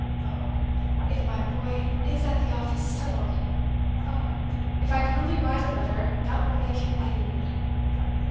Oh, if my boy is at the office still! Oh, if I can only write a letter that will make him pity me!"